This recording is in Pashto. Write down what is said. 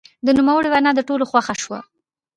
د نوموړي وینا د ټولو خوښه شوه.